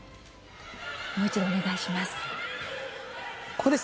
もう一度お願いします。